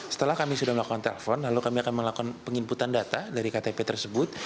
setelah kami sudah melakukan telpon lalu kami akan melakukan penginputan data dari ktp tersebut